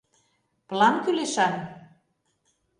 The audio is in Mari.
— План кӱлешан?